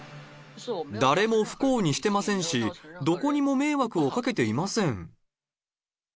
誰も不幸にしてませんし、どこにも迷惑をかけていません。